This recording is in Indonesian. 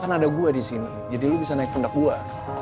kan ada gue disini jadi aja bisa naik pendak gue